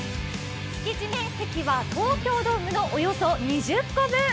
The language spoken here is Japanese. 敷地面積は東京ドームのおよそ２０個分。